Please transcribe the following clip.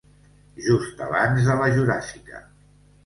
Just abans de la juràssica.